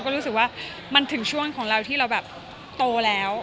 ก็รู้สึกว่ามันถึงช่วงของเราที่เราแบบโตแล้ว